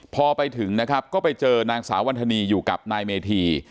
พอไปถึงนะครับก็ไปเจอนางสาววันธนีอยู่กับนายเมธี